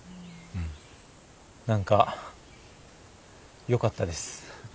何かよかったです。